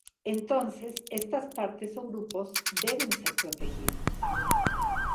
Entonces, estas partes o grupos deben ser protegidos.